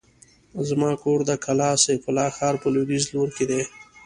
زما کور د کلا سيف الله ښار په لوېديځ لور کې دی.